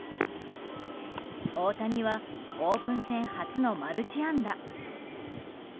大谷はオープン戦初のマルチ安打。